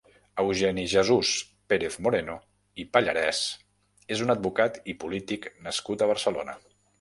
Eugeni-Jesús Pérez-Moreno i Pallarés és un advocat i polític nascut a Barcelona.